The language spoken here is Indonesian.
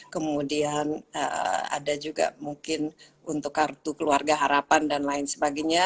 kemudian ada juga mungkin untuk kartu keluarga harapan dan lain sebagainya